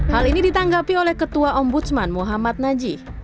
hal ini ditanggapi oleh ketua ombudsman muhammad najih